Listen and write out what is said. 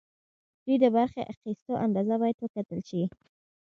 دوی د برخې اخیستلو اندازه باید وکتل شي.